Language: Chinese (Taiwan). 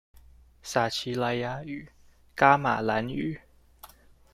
撒奇萊雅語、噶瑪蘭語